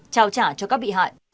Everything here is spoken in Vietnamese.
trao trả cho các bị hại